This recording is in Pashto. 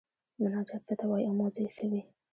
مناجات څه ته وايي او موضوع یې څه وي؟